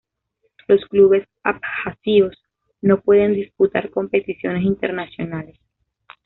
Los clubes abjasios no pueden disputar competiciones internacionales.